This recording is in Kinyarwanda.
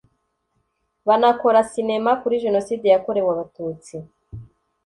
banakora sinema kuri jenoside yakorewe abatutsi